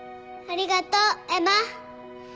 ありがとうエマ。